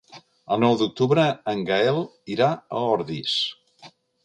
El nou d'octubre en Gaël irà a Ordis.